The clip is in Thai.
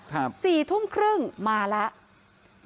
สี่ทุ่มครึ่งมาแล้ว